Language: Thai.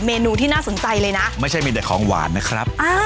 เมนูที่น่าสนใจเลยนะไม่ใช่มีแต่ของหวานนะครับ